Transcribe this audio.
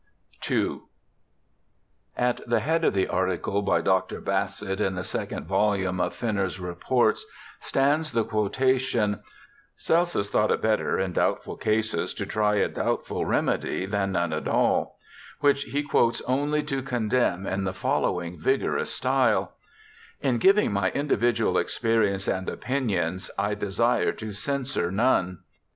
II At the head of the article by Dr. Bassett in the second volume of Fenncr's Reports stands the quota tion, ' Celsus thought it better, in doubtful cases, to try a doubtful remedy, than none at all'^; which he quotes only to condemn in the following vigorous style :' In giving my individual experience and opinions, I desire to censure none.